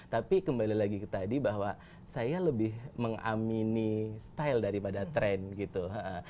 tapi kembali lagi ke tadi bahwa saya lebih mengamini style daripada tren gitu